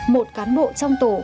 một cán bộ trong tổ